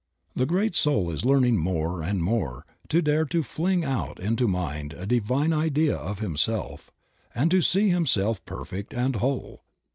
The great soul is learning more and more to dare to fling out into mind a divine idea of himself, and to see himself perfect and whole.